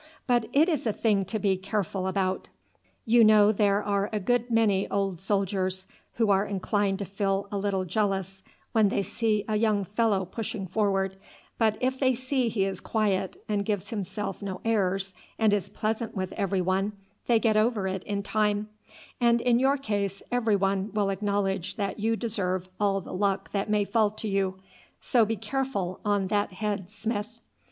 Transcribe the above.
But it is a thing to be careful about. You know there are a good many old soldiers who are inclined to feel a little jealous when they see a young fellow pushing forward, but if they see he is quiet, and gives himself no airs and is pleasant with every one, they get over it in time; and in your case every one will acknowledge that you deserve all the luck that may fall to you. So be careful on that head, Smith.